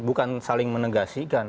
bukan saling menegasikan